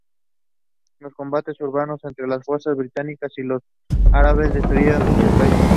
Los combates urbanos entre las fuerzas británicas y los árabes destruyeron muchas calles.